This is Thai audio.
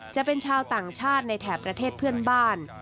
จะเป็นชาวต่างชาติในแถบประเทศเพื่อนบ้าน